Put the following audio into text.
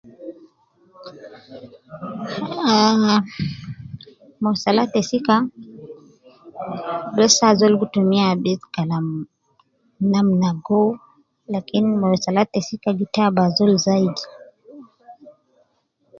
Haaahh, mausalat te sika bes azol gu tumiya bes kalam namna gou, lakin mausalat te sika gi taabu azol zaidi